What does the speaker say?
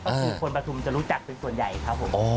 ก็คือคนประทุมจะรู้จักเป็นส่วนใหญ่ครับผม